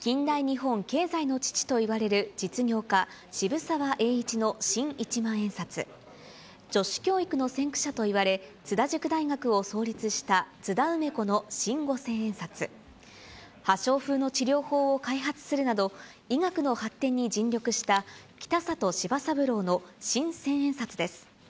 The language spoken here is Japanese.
近代日本経済の父といわれる実業家、渋沢栄一の新一万円札、女子教育の先駆者といわれ、津田塾大学を創立した津田梅子の新五千円札、破傷風の治療法を開発するなど、医学の発展に尽力した、北里柴三郎の新千円札です。